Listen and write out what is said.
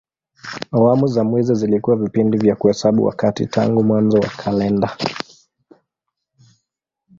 Awamu za mwezi zilikuwa vipindi vya kuhesabu wakati tangu mwanzo wa kalenda.